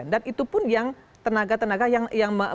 dan itu pun yang tenaga tenaga yang